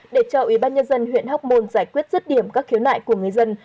để cho ủy ban nhân dân huyện hóc môn giải quyết rứt điểm các khiếu nại của người dân